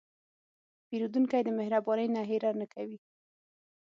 پیرودونکی د مهربانۍ نه هېره نه کوي.